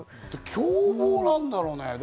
凶暴なんだろうね。